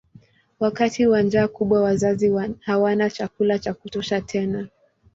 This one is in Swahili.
Wakati wa njaa kubwa wazazi hawana chakula cha kutosha tena.